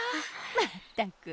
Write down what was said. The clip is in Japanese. まったく！